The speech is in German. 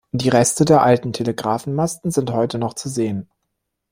Die Reste der alten Telegrafen-Masten sind heute noch zu sehen.